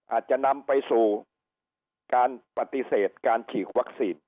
อาจจะนำไปสู่การปฏิเสธการฉีดวัคซีน